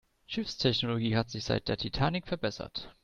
Schiffstechnologie hat sich seit der Titanic verbessert.